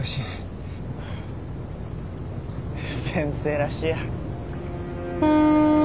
先生らしいや。